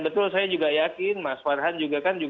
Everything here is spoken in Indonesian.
betul saya juga yakin mas farhan juga kan